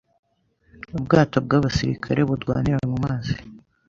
ubwato bw'abasirikare burwanira mu mazi